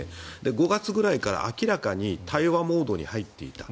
５月くらいから明らかに対話モードに入っていた。